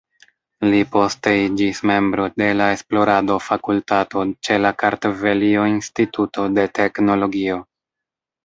Li poste iĝis membro de la esplorado-fakultato ĉe la Kartvelio-Instituto de Teknologio.